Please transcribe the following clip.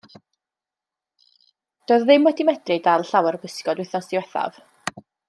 Doedd o ddim wedi medru dal llawer o bysgod wythnos diwethaf.